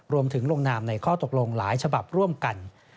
ลงนามในข้อตกลงหลายฉบับร่วมกัน